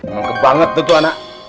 emang kek banget tuh anak